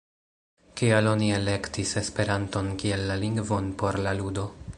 Kial oni elektis Esperanton kiel la lingvon por la ludo?